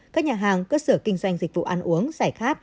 các nhà hàng cơ sở kinh doanh dịch vụ ăn uống giải khát